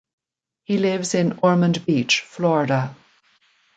He lives in Ormond Beach, Florida.